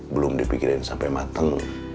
belum dipikirin sampe mateng